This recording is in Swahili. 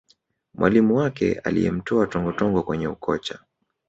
mwalimu wake aliyemtoa tongotongo kwenye ukocha